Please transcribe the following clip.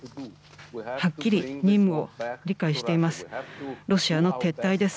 はっきり任務を理解しています。